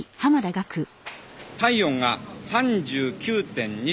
体温が３９．２度。